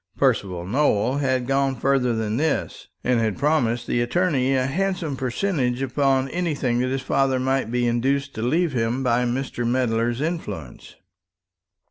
Percival Nowell had gone farther than this, and had promised the attorney a handsome percentage upon anything that his father might be induced to leave him by Mr. Medler's influence.